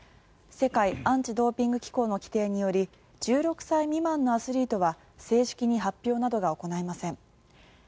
世界アンチ・ドーピング機構の規定により１６歳未満のアスリートは正式に発表などが行えません。